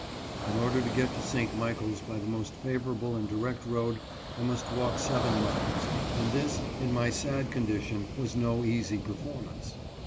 In order to get to St. Michaels by the most favorable and direct road I must walk seven miles, and this, in my sad condition, was no easy per formance.